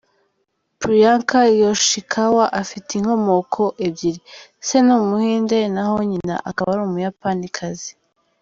Priyanka Yoshikawa afite inkomoko ebyiri, se ni Umuhinde naho nyina akaba ari Umuyapanikazi.